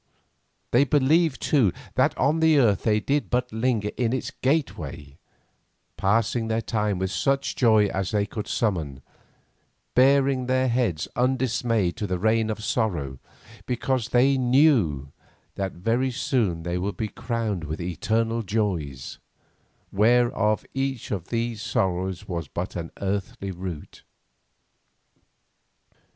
They believed, too, that on the earth they did but linger in its gateway, passing their time with such joy as they could summon, baring their heads undismayed to the rain of sorrow, because they knew that very soon they would be crowned with eternal joys, whereof each of these sorrows was but an earthly root.